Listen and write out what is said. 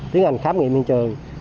tiến hành khám nghiệm hiện trường